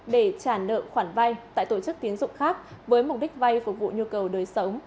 để trả nợ khoản vay tại tổ chức tiến dụng khác với mục đích vay phục vụ nhu cầu đời sống